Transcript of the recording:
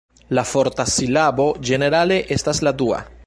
La forta silabo, ĝenerale estas la dua.